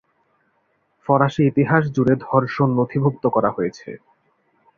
ফরাসি ইতিহাস জুড়ে ধর্ষণ নথিভুক্ত করা হয়েছে।